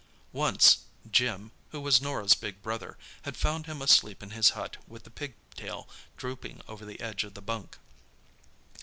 Once Jim, who was Norah's big brother, had found him asleep in his hut with the pigtail drooping over the edge of the bunk.